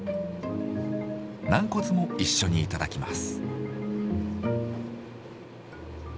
軟骨も一緒に頂きます。